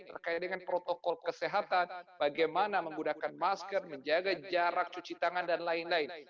terkait dengan protokol kesehatan bagaimana menggunakan masker menjaga jarak cuci tangan dan lain lain